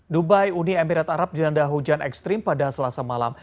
dubai uni emirat arab dilanda hujan ekstrim pada selasa malam